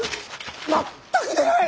全く出ない。